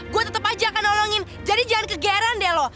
gue tetap aja akan nolongin jadi jangan kegeran deh loh